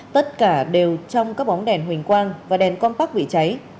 tất cả đều trong các bóng đèn huỳnh quang và đèn compac bị cháy